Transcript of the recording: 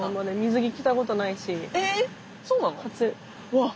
わっ！